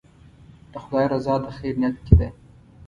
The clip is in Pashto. د خدای رضا د خیر نیت کې ده.